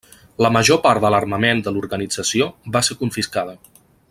La major part de l'armament de l'organització va ser confiscada.